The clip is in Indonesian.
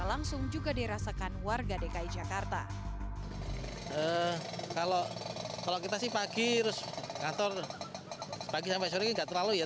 pagi sampai sore gak terlalu ya tapi hidup kita semestinya